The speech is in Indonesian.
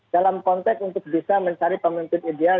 dalam konteks untuk bisa mencari pemerintah ideal dua ribu dua puluh empat